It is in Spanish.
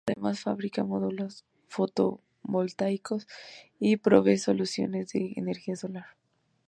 Además fabrica módulos fotovoltaicos y provee soluciones de energía solar.